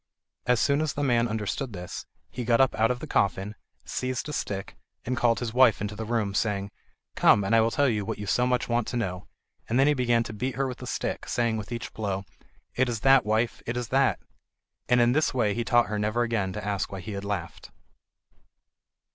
As soon as the man understood this, he got up out of the coffin, seized a stick, and called his wife into the room, saying: "Come, and I will tell you what you so much want to know"; and then he began to beat her with the stick, saying with each blow: "It is that, wife, it is that!" And in this way he taught her never again to ask why he had laughed.